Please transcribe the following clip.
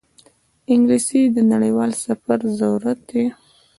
انګلیسي د نړیوال سفر ضرورت دی